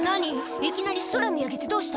いきなり空見上げてどうした？